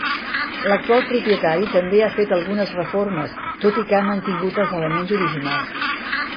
L'actual propietari també ha fet algunes reformes, tot i que ha mantingut els elements originals.